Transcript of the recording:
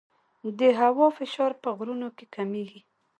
د هوا فشار په غرونو کې کمېږي.